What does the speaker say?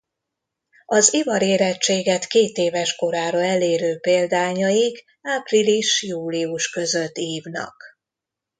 Az ivarérettséget kétéves korára elérő példányaik április-július között ívnak.